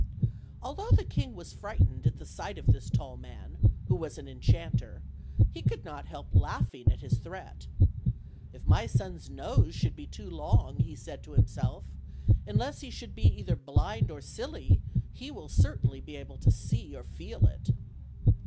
Although the king was frightened at the sight of this tall man, who was an enchanter., he could not help laugh OLD, OLD FAIRY TALES* ing at his threat. "If my son's nose should be too long," said he to himself, "unless he should be either blind or silly he will certainly be able to see or feel it."